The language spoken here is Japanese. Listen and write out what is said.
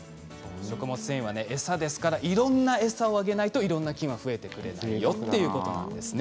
食物繊維はね餌ですからいろんな餌をあげないといろんな菌は増えてくれないよっていうことなんですね。